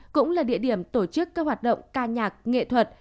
cũng là địa điểm tổ chức các hoạt động ca nhạc nghệ thuật